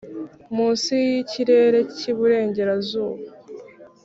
munsi yikirere cyiburengerazuba.